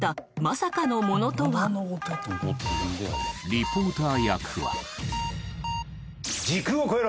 リポーター役は？